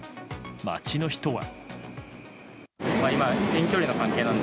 街の人は。